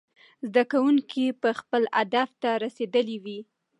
زده کوونکي به خپل هدف ته رسېدلي وي.